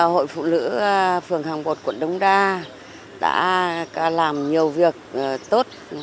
hội phụ nữ sửa hoàng bột quận đông đa đã làm nhiều việc tốt